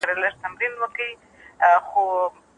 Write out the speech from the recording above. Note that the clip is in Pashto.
حمید بابا د ښکلا د بیان په برخه کې بې ساري دی.